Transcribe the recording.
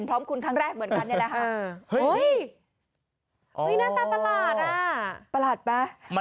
น้ำแหลมแหลม